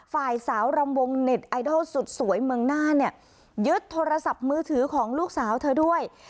ฝ่ายสาวรำวงเน็ตไอดอลสุดสวยเมืองหน้าเนี่ยยึดโทรศัพท์มือถือของลูกสาวเธอด้วย